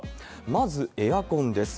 まずエアコンです。